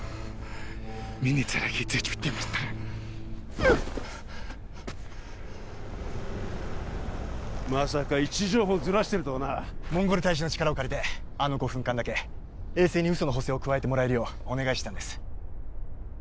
うっまさか位置情報をずらしてるとはなモンゴル大使の力を借りてあの５分間だけ衛星に嘘の補正を加えてもらえるようお願いしてたんです